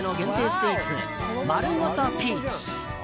スイーツまるごとピーチ。